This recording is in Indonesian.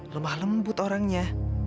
lemah lembut orangnya